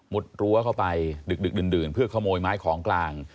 รั้วเข้าไปดึกดื่นเพื่อขโมยไม้ของกลาง